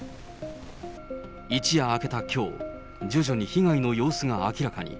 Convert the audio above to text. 一夜明けたきょう、徐々に被害の様子が明らかに。